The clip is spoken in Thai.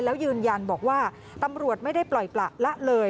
แล้วยืนยันบอกว่าตำรวจไม่ได้ปล่อยประละเลย